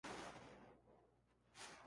Su primer club fue el Peñarol uruguayo.